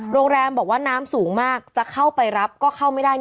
โรงแรมบอกว่าน้ำสูงมากจะเข้าไปรับก็เข้าไม่ได้